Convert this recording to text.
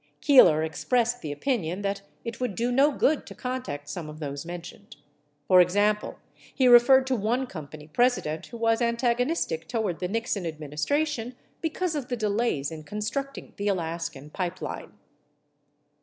Keeler expressed the opinion that it would do no good to contact some of those mentioned. For example, he re ferred to one company president who was antagonistic toward the Nixon administration because of the delays in constructing the Alaskan pipeline.